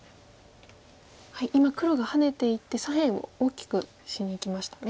今黒がハネていって左辺を大きくしにいきましたね。